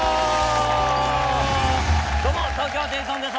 どうも東京ホテイソンです。